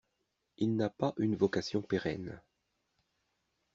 Il n’a pas une vocation pérenne.